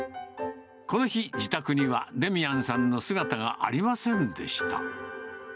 この日、自宅にはデミアンさんの姿がありませんでした。